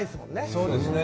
そうですね。